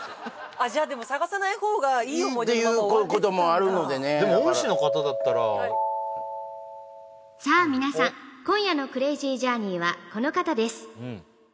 じゃあでも探さない方がいい思い出ていうこともあるのでねでも恩師の方だったらさあ皆さん今夜のクレイジージャーニーはこの方です